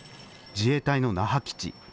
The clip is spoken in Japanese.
自衛隊の那覇基地。